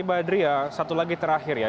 mbak yudhria satu lagi terakhir ya